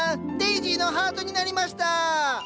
デージーのハートになりました！